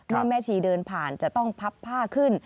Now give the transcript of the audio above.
แม่ชีเดินผ่านจะต้องพับผ้าขึ้น